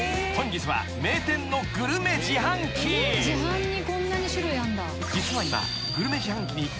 ［実は今グルメ自販機に］